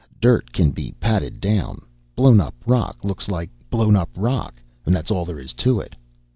Dirt can be patted down. Blown up rock looks like blown up rock, and that's all there is to it.